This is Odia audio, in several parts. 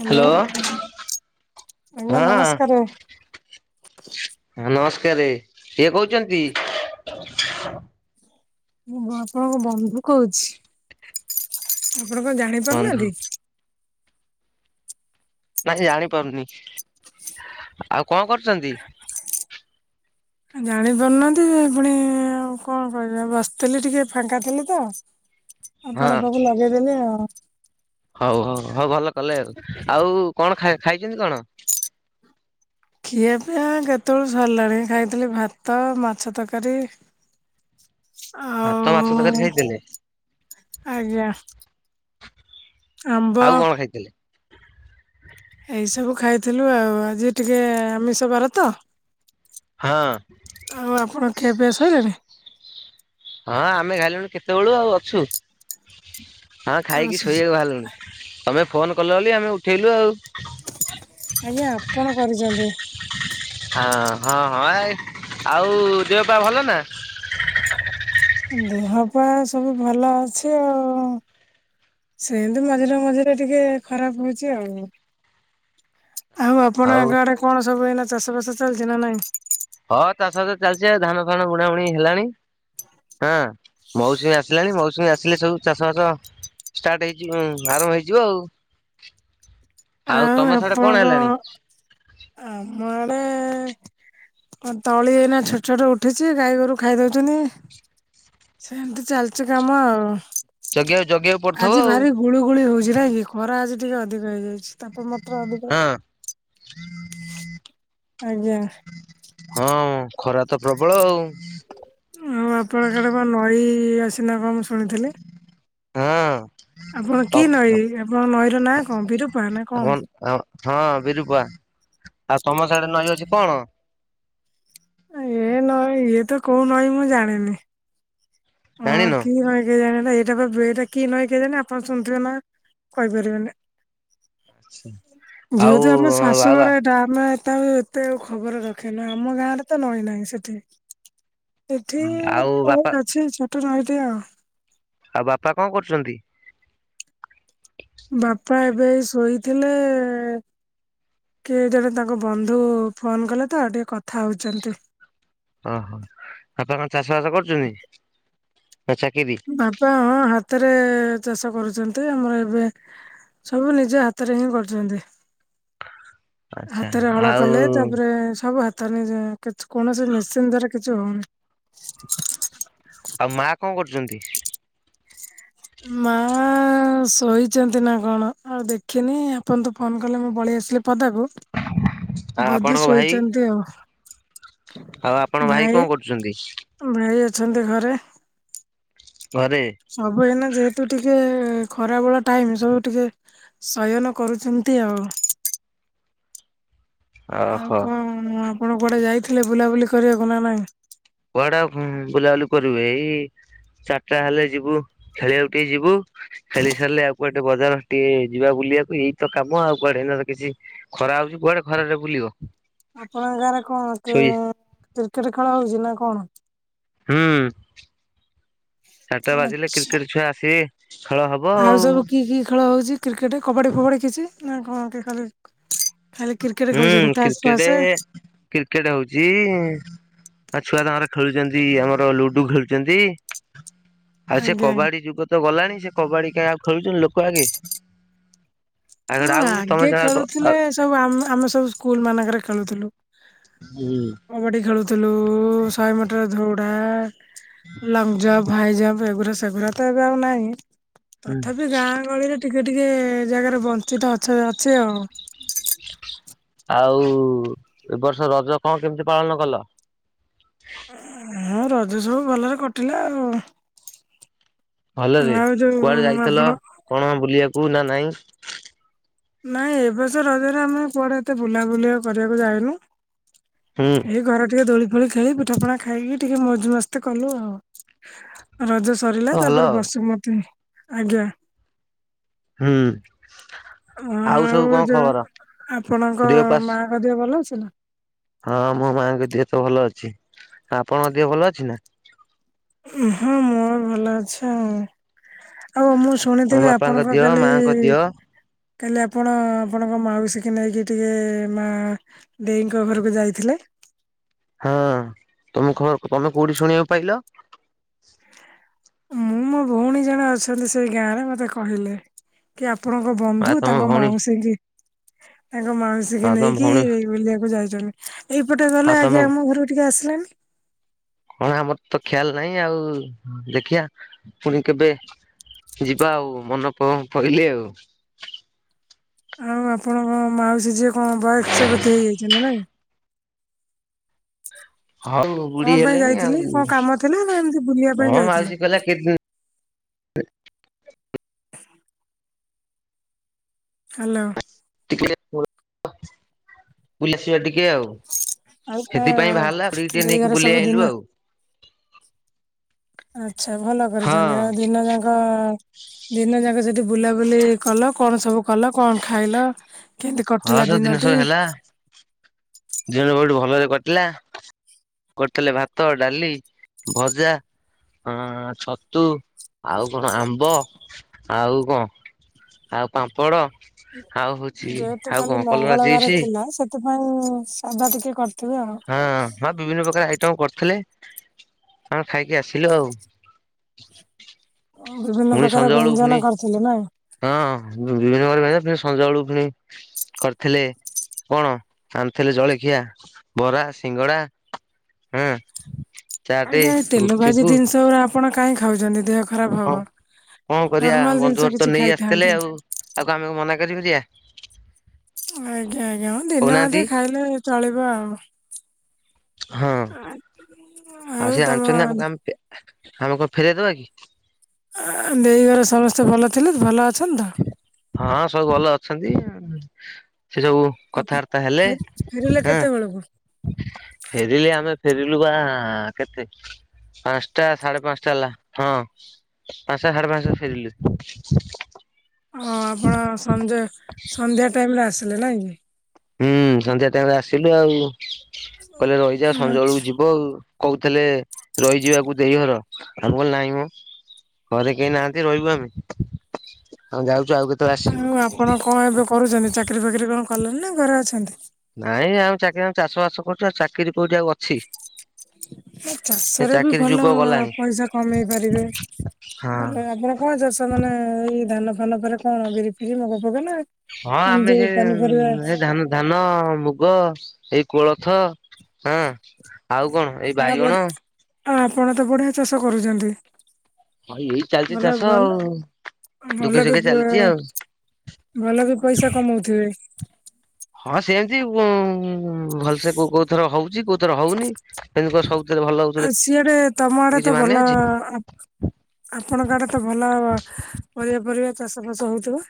ହ୍ୟାଲୋ ଆଜ୍ଞା ହଁ ନମସ୍କାର। ହ ନମସ୍କାରରେ କିଏ କହୁଛନ୍ତି। ମୁଁ ଆପଣଙ୍କ ବନ୍ଧୁ କହୁଛି। ଆପଣ କଣ ଜାଣି ବନ୍ଧୁ ପାରୁନାହାନ୍ତି। ନାଇଁ ଜାଣିପାରୁନି ଆଉ କଣ କରୁଛନ୍ତି? ଜାଣିପାରୁନାହାନ୍ତି ଯେ ପୁଣି ଆଉ କଣ କ ବସିଥିଲି ଟିକେ ଫାଙ୍କା ଥିଲେ ତ ହଁ ଆପଣ ପାକୁ ଲଗେଇଦେଲେ ଆଉ। ହଉ ହଉ ହଉ ଭଲ କଲେ ଆଉ ଆଉ କଣାଇ ଖାଇଛନ୍ତି କଣ? ଖିଆ ପାଇଁ କେତେବେଳୁ ସରିଲାଣି ଖାଇଥିଲି ଭାତ ମାଛ ତରକାରୀ। ହୁଁ। ଭାତ ମାଛ ତରକାରୀ ଆଉ ଖାଇଦଲେ ଆଜ୍ଞା। ଆମ୍ବ ଆଉ କଣ ଖାଇଥିଲେ? ଏଇ ସବୁ ଖାଇଥିଲୁ ଆଉ ଆଜି ଟିକେ ଆମିଷ ବାର ତ ହଁ ଆଉ ଆପଣ କେବେ ସରିଲଣି। ହଁ ଆମେ ଘାଇଲୁଣି କେତେବେଳୁ ଆଉ ଅଛୁ। ହଁ ଖାଇକି ଶୋଇବାକୁ ବାହାରିଲୁନଣି ତମେ ଫୋନ କଲ ବୋଲି ଆମେ ଉଠେଇଲୁ ଆଉ। ଆଜ୍ଞା ଆପଣ କରିଛନ୍ତି। ହଁ ହଁ ହଁ ଏ ଆଉ ଦେହପ ଭଲ ନା? ଦେହ ପା ସବୁ ଭଲ ଅଛି ଆଉ। ସେମିତି ମଝିରେ ମଝିରେ ଟିକେ ଖରାପ ହଉଛି ଆଉ। ଆଉ ଆପଣଙ୍କ ଆଡେ କଣ ସବୁ ଏଇ ଚାଷ ବାସ ଚାଲିଛି ନା ନାଇଁ? ହଁ ତା ସହିତ ଚାଲିଚ ଧାନ ଫାନ ବୁଣା ବୁଣି ହେଲାଣି। ହଁ ମଉସୁମୀ ଆସିଲାଣି ମଉସୁମୀ ଆସିଲେ ସବୁ ଚାଷ ବାସ ଷ୍ଟାର୍ଟ ହେଇଯିବ ଆରମ୍ଭ ହେଇଯିବ ଆଉ। ଆଉ ତମ ସଡେ କଣ ହେଲାଣି? ଆମ ଆଡେ ତଳି ଏଇନା ଛୋଟ ଛୋଟ ଉଠିଛି ଗାଈ ଗୋରୁ ଖାଇ ଦଉଚୁନି। ସେମିତି ଚାଲିଚ କାମ ଆଉ ଜଗିବାକୁ ଜଗିବାକୁ ପଡୁଥିବ ଆଜି ଆଉ ଭାରି ଗୁଳିୁ ଗୁଳି ହଉଛି ନ କି ଖରା ଆଜି ଅଧିକା ଅଧିକ ହେଇଯାଇଛି ତାପଣ ମାତ୍ର ଅଧିକ ହଁ ଆଜ୍ଞା। ହଁ ଖରା ତ ପ୍ରବଳ ଆଉ ଆଉ ଆପଣ କଡ ବା ନଈ ଆସିନା କଣ ମୁ ଶୁଣିଥିଲି। ହଁ। ଆପଣ କି ନଈ ଆପଣଙ୍କ ନଈର ନାଁ କଣ ବିରୂପା ନା କଣ? ଆ ହଁ ବିରୁପୁଆ [inaudible] ଆଉ ତମ ସହିଡରେ ନଈ ଅଛି କଣ। ଏ ନହ ଇଏ ତ କୋଉ ନଈଁ ମୁଁ ଜାଣିନି। ହଁ ଜାଣିନ? କି ମ କେ ଜଣି ଏଟା? ଏ ବା ଏଟା କି ନଁ କେେ ଆପଣ ଶୁଥିବେ ନା କହିପାରିବେନି। ଆଉ ଯେହେତୁ ଆମ ଆଉ ଆଉ ବାପା ଶାଶୁଘର ଏଇଟା ଆମେ। ତା ଏତେ ଆଉ ଖବର ରଖେନୁ ଆମ ଗାଁରେ ତ ନଈ ନାହିଁ ସେଠି ଏଠି ତ ଆଉ କ ଅଛି ଟ ନଟ ଆଉ। ଆଉ ବାପା କଣ କରୁଚନ୍ତି? ପା ଏବେ ଶୋଇଥିଲେ କିଏ ଜଣେ ତାଙ୍କ ବନ୍ଧୁ ଫୋନ କଲେ ତ ଆଉ ଟିକେ କଥା ହଉଛନ୍ତି। ଓହୋ ଆପଣ କଣ ଚାଷ ବାସ କରୁଛନ୍ତି। ନା ଚାକିରି ବାପା ହଁ ହାତରେ ଚାଷ କରୁଛନ୍ତି ଆମର ଏବେ ସବୁ ନିଜ ହାତରେ ହିଁ କରୁଛନ୍ତି। ଆଚ୍ଛା ହାତରେ ହଳ ଆଉ କଲେ ତାପରେ ସବୁ ହାତ ତାହଲେ କୌଣସି ମେସିନ୍ ଦ୍ଵାରା କିଛି ହଉନି ଆଉ ମା କଣ କରୁଛନ୍ତି? ମାଁ ଆଁ ଶୋଇଛନ୍ତି ନା କଣ ଆଉ ଦେଖିନି ଆପଣ ତୁ ଫୋନ କଲେ ମୁଁ ପଳେଇ ଆସିଲି ପଦାକୁ ଆଉ ବଧେ ଆପଣଙ୍କ ଭାଇ ଶୋଇଛନ୍ତି ଆଉ ଆଉ ଆପଣ କଣ ଭାଇ କରୁଛନ୍ତି ଭାଇ ଅଛନ୍ତି ଘରେ। ଘରେ ସବୁ ଏଇନା ଯେହେତୁ ଟିକେ ଏ ଖରା ବଳ ଟାଇମ ସବୁ ଟିକେ ଶୟନ କରୁଛନ୍ତି ଆଉ ଆଉ ଓହୋ। କଣ ଆପଣ କୁଆଡେ ଯାଇଥିଲେ ବୁଲାବୁଲି କରିବାକୁ ନା ନାହିଁ? କୁଆଡା ବୁଲାବୁଲି କରିବେ ଏଇ ଚାରିଟା ହେଲେ ଯିବୁ ଖେଳିବାକୁ ଟିକେ ଯିବୁ ଖେଳି ସାରିଲେ ଆଉ କୁଆଟେ ବଜାର ଟିକେ ଯିବାକୁ। ବୁଲିବାକୁ ଏଇତ କାମ ଆଉ କୁଆଡେ ଏ କିଛି ଖରା ହଉଛି କୁଆଡେ ଖରାରେ ବୁଲିବ। ଆପଣଙ୍କ ଗାଁରେ କଣ ଶୋଇ କ୍ରିକେଟ ଖେଳ ହଉଛି ନା କଣ? ହୁଁ ଚାରିଟା ବାଜିଲେ କ୍ରିକେଟ ଛୁଆ ଆସିବେ ଖେଳ ହବ ଆଉ ସବୁ କି କି ଖେଳ ହଉଛି କ୍ରିକେଟ୍ କବାଡ଼ି ଫୋବାଡି କିଛି ନା କଣ କି ଖାଲି ଖାଲି କ୍ରିକେଟ ଖେଳୁଛନ୍ତି ହୁଁ ତାସ ଫାସ କ୍ରିକେଟ୍ କ୍ରିକେଟ୍ ହଉଛି। ଆ ଛୁଆ ତାଙ୍କର ଖେଳୁଛନ୍ତି ଆମର ଲୁଡୁ ଖେଳୁଛନ୍ତି। ଆଉ ସେ ଆଜ୍ଞା। କବାଡି ଯୁଗ ତ ଗଲାଣି ସେ କବାଡି କାଇହି ଆଉ ଖେଳୁଛନ୍ତି ଲୋକ ଆଗେ। ହଁ ଆଉ ତମେ ଆଗେ ଯାହା ଖେଳୁଥିଲେ ସବୁମ ଆମେ ସବୁ ସ୍କୁଲ ମାନଙ୍କରେ ଖେଳୁଥିଲୁ। ହୁଁ। ଥିଲୁ ଶହେ ମିଟର ଧଉଡା ଲଙ୍ଗ୍ ଜମ୍ପ୍ ହାଇ ଜମ୍ପ୍। ଏଗୁରା ସେଗୁରା ତ ଏବେ ଆଉ ନାହିଁ ହୁଁ। ତଥାପି ଗାଁ ଗହଳିରେ ଟିକେ ଟିକେ ଜାଗାରେ ବଞ୍ଚି ତ ଅଛି- ଅଛି ଆଉ। ଆଉ ଏ ବର୍ଷ ରଜ କଣ କେମିତି ପାଳନ କଲ। ହଁ ରଜ ସବୁ ଭଲରେ କଟିଲା ଆଉ। ଭଲରେ ଆଉ ଯୋଉ କୁଆଡେ ଯାଇଥିଲ ଆପଣ କଣ ବୁଲିବାକୁ ନା ନାଇଁ ନାଇଁ ଏ ବଛ ରଜରେ ଆମେ କୁଆଡେ ଏତେ ବୁଲାବୁଲି କରିବାକୁ ଯାଇନୁ। ହୁଁ ଏଇ ଘରେ ଟିକେ ଦୋଳି ଫୋଳି ଖେଳି ପିଠା ପଣା ଖାଇକି ଟିକେ ମୋଜ ମସ୍ତି କଲୁ ଆଉ। ରଜ ସରିଲା ଭଲ ତାପରେ ଆଉ। ବସୁମତି ଆଜ୍ଞା ହୁଁ। ହଁ ଆଉ ସବୁ ଏ କଣ ଯୋଉ ଖବର ଆପଣଙ୍କ ଦେହ ପା ମାଙ୍କ ଦେହ ଭଲ ଅଛି ନା। ହଁ ମୋ ମାଆଙ୍କ ଦେହ ତ ଭଲ ଅଛି ଆ ଆପଣଙ୍କ ଦେହ ଭଲ ଅଛି ନା। ହଁ ମୋର ଭଲ ଅଛି ଆଉ ଆଉ ମୁଁ। ଆମ ଶୁଣିଥିଲି ବାପାଙ୍କ ଆପଣଙ୍କର ଦିହ କାଲି ମାଆଙ୍କ ଈ ଦିହ କାଲି ଆପଣ ଆପଣଙ୍କ ମାଉସୀ କିି ନେଇକି ଟିକେ ମା ଦେଇଙ୍କ ଘରକୁ ଯାଇଥିଲେ। ହଁ ତମେ ଖ ତମେ କୋଉଠି ଶୁଣିବାକୁ ପାଇଲ? ମୁଁ ମୋ ଭଉଣୀ ଜଣେ ଅଛନ୍ତି ସେଇ ଗାଁରେ ମତେ କହିଲେ କି ଆ ଆପଣଙ୍କ ଆଉ ବନ୍ଧୁ ତମ ତାଙ୍କ ଭଉଣୀ ମାଉସୀ କି ତାଙ୍କ ମାଉସୀକି ଆଉ ତମ ନେଇକି ଭଉଣୀ ବୁଲିବାକୁ ଯାଇ ଏଇପଟେ ଗଲେ ଆଉ ତମ ଆଜ୍ଞା ଆମ ଘରକୁ ଟିକେ ଆସିଲେନି। କଣ ଆମର ତ ଖି୍ୟାଲ ନାହିଁ ଆଉ ଦେଖିବା ପୁଣି କେବେ ଯିବା ଆଉ ମନ ପ ପଇଲେ ଆଉ। ଆଉ ଆପଣଙ୍କ ମାଉସୀ ଯିଏ କଣ ବୟକ୍ସା [unintelligible] ହେଇଯାଇଛନ୍ତି ନାଇଁ। ହଉ କଣ ବୁଢୀ ପାଇଁ ହେଲେଣି ଯାଇଥିଲେ ଆଉ କଣ କାମ ଥିଲା ନା ଏମିତି ବୁଲିବା ପାଇଁ କଣ ଯାଇଥିଲେ? ମାଉସୀ କହିଲା କେତେଦି ହାଲୋ ଟିକେ [inaudible] ବୁଲି ଆସିବା ଟିକ ଟିକେ ଆଉ ଆଉ କଣ ସେଥିପାଇଁ ବାହାରଲା ବୁଢ଼ୀକି ଟିକେ ଦେଇ ନେଇକି ଘର ବୁଲେଇ ସବୁ ଦିନ ଆଣିଲୁ ଆଉ। ଆଚ୍ଛା ଭଲ ହଁ କରିଛନ୍ତି ଆଉ ଦିନ ଯାକ ଦିନ ଯାକ ସେ ବୁଲାବୁଲି କଲ କଣ ସବୁ କଲ କଣ ଖାଇଲ। କେମିତି ହଁ କଟିଲା ସବୁ ଜିନିଶ ଦିନଟି? ହେଲା ଦିନ ବହୁଟୁ ଭଲରେ କଟିଲା। କରିଥିଲେ ଭାତ ଡାଲି ଭଜା। ହଁ ଛତୁ ଆଉ କଣ ଆମ୍ବ ଆଉ କଣ ଆଉ ପାମ୍ପଡ଼ ଆଉ ହଉଛି। ତୁ ଆଉ କାଲି କଣ କଲରା ଚିପ୍ସ ମଙ୍ଗଳବାର ଥିଲା ସେଥିପାଇଁ ସାଧା ଟିକେ କ ହଁ ହଁ ବିଭିନ୍ନ ପ୍ରକାର ଆ ମ କରିଥିଲେ ଆମେ ଖାଇକି ଆସିଲୁ ଆଉ। ବିଭିନ୍ନ ମୁଁ ଏଇ ପ୍ରକାର ସଞ୍ଜ ବେଳକୁ ବ୍ୟଞ୍ଜନ ଫୁଣି କରିଥିଲେ ନାଇଁ? ହଁ। ବିଭିନ୍ନ ପ୍ରକାର ଫେଣେ [unintelligible] ସଞ୍ଜ ବେଳୁକୁ ଫୁଣି କରିଥିଲେ। କଣ ଆଣିଥିଲେ ଜଳଖିଆ ବରା, ସିଙ୍ଗଡା ହୁଁ। ଆଜ୍ଞା ଏ ତେଲ ଭାଜି ଜିନିଷ‌ଓରା ଆପଣ କାହିଁ ଖାଉଚନ୍ତି। ଦେହ ଖରାପ ହବ। ହଁ କଣ କରିବା ନର୍ମାଲ ବନ୍ଧୁ ଜିନିଷ ଘରତ କିଛି ନେଇ ଆସିଥିଲେ ଖାଇଥାନ୍ତେ ଆଉ ଆଉ ଆମେ କଣ ମନା କରିପାରିବା। ଆଜ୍ଞା ହଁ ଦିନେ ଅଧେ କହୁନାହାନ୍ତି ଖାଇଲେ ଚଳିବ ଆଉ। ହଁ ଆଉ ସେ ଆଣିଚନ୍ତି ଆମକୁ ଆମ୍ ଆମେ କଣ ଫେରାଇଦବା କି। ଆ ଦେଇ ଘର ସମସ୍ତେ ଭଲ ଥିଲେ ଭଲ ଆ ହଁ ସବୁ ଭଲ ଅଛନ୍ତି। ସେ ସବୁ ଆଉ କଥାବାର୍ତ୍ତା ହେଲେ ଫେରିଲେ କେତେବେଳକୁ? ହଁ ଫେରିଲେ ଆମେ ଫେରି ଲୁ ବା କେତେ ପାଞ୍ଚଟା ସାଢେ ପାଞ୍ଚଟା ହେଲା ହଁ ପାଞ୍ଚଟା ସାଢେ ପାଞ୍ଚଟା ଫେରିିଲୁ। ହଁ ଆପଣ ସଞ୍ଜ ସନ୍ଧ୍ୟା ଟାଇମରେ ଆସିଲେ ନାଁ କି। ହୁଁ ସନ୍ଧ୍ୟା ଟାଇମରେ ଆସିଲୁ ଆଉ କହିଲେ ରହିଯା ସଞ୍ଜ ଆଛା ବେଳକୁ ଯିବ ଆଉ। କୋହୁଥିଲେ ରହିଯିବାକୁ ଦେଇ ଘର। ଆମେ କହିଲୁ ନାଇଁମ। ଘରେ କେହି ନାହାନ୍ତି ରହିବୁ ଆମେ ଆଉ ଯାଉଚୁ ଆଉ କେ ଆଉ ଆପଣ କଣ ଏବେ କରୁଚନ୍ତି। ଚାକିରି ଫାକିରି କଣ କଲେଣି ନା ଘରେ ଅଛନ୍ତି? ନାଇଁ ଆ ଚାକିରି ଆ ଚାଷ ବାସ କରୁଚୁ ଆଉ ଚାକିରି କୋଉଠି ଆଉ ଅଛି। ସେ ଚାଷରେ ବି ଚାକିରି ଭଲ ଯୁଗ ଗଲାଣି ପଇଷା କମେଇ ପାରିବେ। ହଁ। ଭଲ ଆପଣ କଣ ଚାଷ ମାନେ ଏଇ ଧାନ ଫାନ ପରେ କଣ ବିରି ଫିରି ମୁଗ ଫୁଗ ନା ହଁ ଏମିତି ଆମେ ସେ ପନିପରିବା ଧା-ଧାନ, ମୁଗ, ଏଇ କୋଳଥ ହଁ ଆଉ କଣ ଏଇ ବଡ ବାଇଗଣ ଆ ଆପଣ ତ ବଢିଆ ଚାଷ କରୁଛନ୍ତି। ହଁ ଏଇ ଚାଲିଛି ଭଲ ଚାଷ ଭଲ ଆଉ ଦୁଃଖେ ଭଲ ସୁଖେ ଚାଲିଛି ଆଉ [unintelligible] ଭଲ ବି ପଇସା କମଉଥିବେ। ହଁ ସେମିତି ଭଲସେ କୋଉ ଥର ହଉଛି, କୋଉ ଥର ହଉନି, ସେମିତି କ ସବୁ ଆଉ ସିଆଡେ ତମ ଆଡେ ତ ଭଲ ଅଛି ଆପଣଙ୍କ ଆଡେ ତ ଭଲ ପରିବା ଫରିବା ଚାଷ ଫାସ ହଉଥିବ।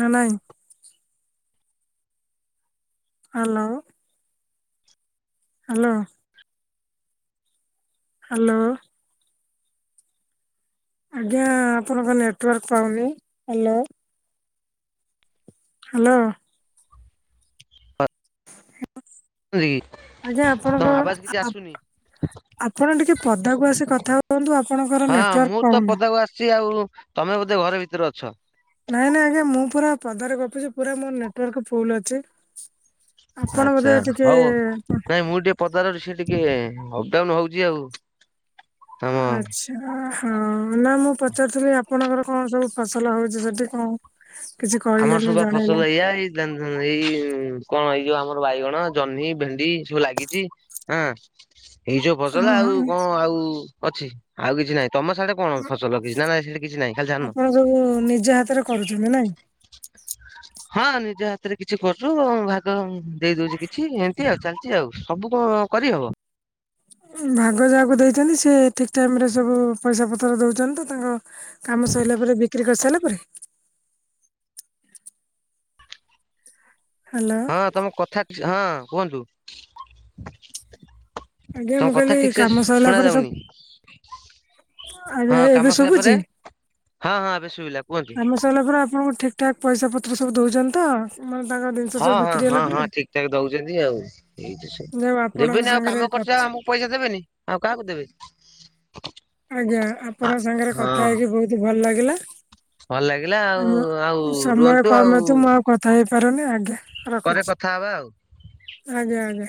ନା ନାଇଁ? ହାଲୋ। ହାଲୋ। ହାଲୋ। ଆଜ୍ଞା, ଆପଣଙ୍କ ନେଟୱାର୍କ ପାଉନି? ହାଲୋ। ହାଲୋ। ହ। [unintelligible] କି ଆଜ୍ଞା ତମ ଆପଣଙ୍କ ଆବାଜ କିଛି ଆସୁନି ଆପଣ ଟିକେ ପଦାକୁ ଆସି କଥା ହୁଅନ୍ତୁ, ଆପଣଙ୍କର ହଁ ମୁଁ ନେଟୱାର୍କ ତ ପାଉନି। ପଦାକୁ ଆସିଛି ଆଉ ତମେ ବୋଧେ ଘରେ ଭିତରେ ଅଛ? ନାଇଁ ନାଇଁ ଆଜ୍ଞା, ମୁଁ ପୁରା ପଦାରେ ଗପୁଛି ପୁରା ମୋର ନେଟୱର୍କ ଫୁଲ ଅଛି। ଆପଣ ବୋଧେ ଆଛା, ଟିକେ ହଉ ନାଇଁ ମୁଁ ଟିକେ ପଦାର ର ସେ ଟିକେ ଟେ ଅପଡାଉନ ହଉଛି ଆଉ ଆମ ଆଛା, ହଁ ନା ମୁଁ ପଚାରୁଥିଲି ଆପଣଙ୍କର କଣ ସବୁ ଫସଲ ହଉଛି ସେଠି? ଦେ କ [unintelligible] ଆମର ସବା ଫସଲ ଏଇଆ ଏଇ ଏଇ କଣ ଏଇ ଯଉ ଆମର ବାଇଗଣ, ଜହ୍ନି, ଭେଣ୍ଡି, ସବୁ ଲାଗିଛି ହାଁ ଏଇ ସବୁ ଫସଲ ଆଉ ହଁ କଣ ଆଉ ଅଛି, ଆଉ କିଛି ନାହିଁ। ତମ ସାଡେ କଣ ଫସଲ କିଛି ନା ନାଇ ସେଇଠି କିଛି ନାଇଁ, ଖାଲି ଧାନ ଆପଣ ସବୁ ନିଜ ହାତରେ କରୁଛନ୍ତି ନାଇଁ? ହଁ ନିଜ ହାତରେ କିଛି କରଛୁ, ଭାଗ ଦେଇ ଦଉଛି କିଛି, ଏମିତି ଆଉ ଚାଲିଛି ଆଉ ସବୁ କଣ କରିହବ? ଭାଗ ଯାହାକୁ ଦେଇଛନ୍ତି ସେ ଠିକ ଟାଇମ ରେ ସବୁ ପଇସା ପତ୍ର ଦଉଛନ୍ତି ତ? ତାଙ୍କ କାମ ସରିଲା ପରେ ବିକ୍ରି କରିସାରିଲା ପରେ, ହ୍ୟାଲୋ ହଁ ତମ କଥା, ହଁ କୁହନ୍ତୁ, ଆଜ୍ଞା, ତମ ମୁଁ କଥା କହିଲି ଠିକ ସେ କାମ ସରିଲା ଶୁଣା ପରେ ସବୁ ଯାଉନି ଆଜ୍ଞା, ହଁ କାମ ଏବେ ସରିଲା ପରେ ଶୁଭୁଛି, ହଁ ହଁ ଏବେ ଶୁଭିଲା କୁହନ୍ତୁ। କାମ ସରିଲା ପରେ ଆପଣଙ୍କୁ ଠିକ ଠାକ୍ ପଇସା ପତ୍ର ସବୁ ଦଉଛନ୍ତି ତ? ମାନେ ତାଙ୍କ ଜିନିଷ ହଁ ସବୁ ହଁ ବିକ୍ରି ହେଲା ହଁ ହଁ ପରେ? ଠିକ ଠାକ ଦଉଛନ୍ତି ଆଉ ଏଇଠ ସ ଯାଉ ଆପଣଙ୍କ ଦେବିନି ଆଉ ସାଙ୍ଗରେ କାମ କର କଥା ଆମକୁ ପଇସା ଦେବେନି ଆଉ କାହାକୁ ଦେବେ? ଆଜ୍ଞା ଆପଣଙ୍କ ସାଙ୍ଗରେ କଥା ହଁ ହେଇକି ବହୁତ ଭଲ ଲାଗିଲା। ଭଲ ଲାଗିଲା ଆ ଆଉ ଆଉ ସମୟ ରୁହନ୍ତୁ ଆଉ କମ ଅଛି ମୁଁ ଆଉ କଥା ହେଇପାରୁନି ଆଜ୍ଞା, ଆଜ୍ଞା ପରେ ରଖୁଛି କଥା ହବା ଆଉ। ଆଜ୍ଞା ଆଜ୍ଞା।